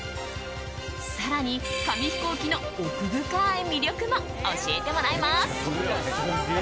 更に紙飛行機の奥深い魅力も教えてもらいます。